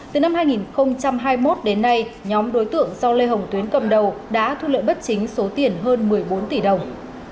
từ năm hai nghìn hai mươi một đến nay nhóm đối tượng do lê hồng tuyến cầm đầu đã thu lợi bất chính số tiền hơn một mươi bốn tỷ đồng